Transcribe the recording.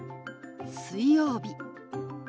「水曜日」。